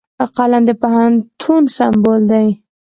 قلم د پوهنتون سمبول دی